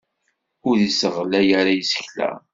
Ur isseɣlay ara isekla.